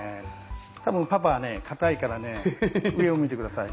多分パパは硬いからね上を向いて下さい。